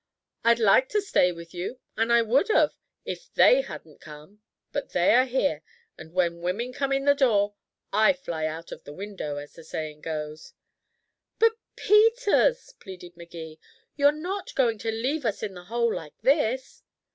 "I'd like to stay with you, and I would of, if they hadn't come. But here they are and when women come in the door, I fly out of the window, as the saying is." "But, Peters," pleaded Magee, "you're not going to leave us in the hole like this?"